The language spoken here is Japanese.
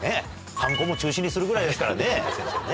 ハンコも中止にするぐらいですからね先生ね。